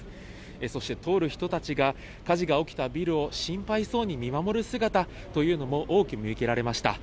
そして通る人たちが、火事が起きたビルを心配そうに見守る姿というのも多く見受けられました。